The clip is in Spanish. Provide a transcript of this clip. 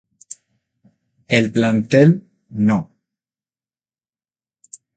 El Plantel No.